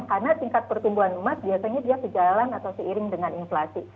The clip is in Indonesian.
karena tingkat pertumbuhan emas biasanya dia sejalan atau seiring dengan inflasi